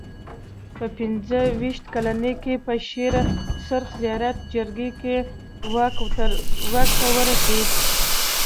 په پنځه ویشت کلنۍ کې په شېر سرخ زیارت جرګه کې واک ته ورسېد.